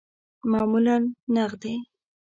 معمولاً نغدی